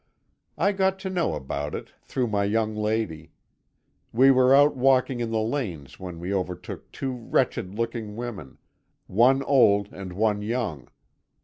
"I got to know about it, through my young lady. We were out walking in the lanes when we overtook two wretched looking women, one old and one young.